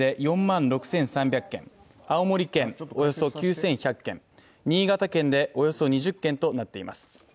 宮城県で４万６３００軒、青森県およそ９１００軒新潟県でおよそ２０軒となっています。